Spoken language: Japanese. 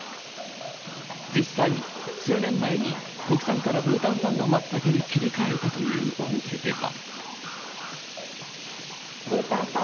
実際、数年前に国産からブータン産のマツタケに切り替えたというお店では。